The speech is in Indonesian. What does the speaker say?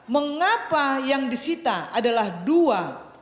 mengapa yang disita adalah dua